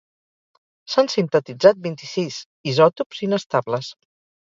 S'han sintetitzat vint-i-sis isòtops inestables.